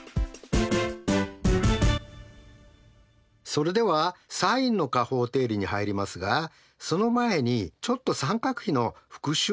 それではｓｉｎの加法定理に入りますがその前にちょっと三角比の復習をしておきましょう。